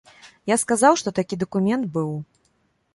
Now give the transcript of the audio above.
Я сказаў, што такі дакумент быў.